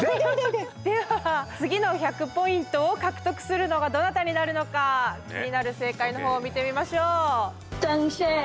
では次の１００ポイントを獲得するのがどなたになるのか気になる正解の方を見てみましょう。